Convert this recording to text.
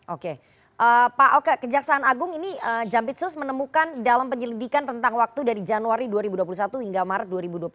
oke pak oke kejaksaan agung ini jampitsus menemukan dalam penyelidikan tentang waktu dari januari dua ribu dua puluh satu hingga maret dua ribu dua puluh satu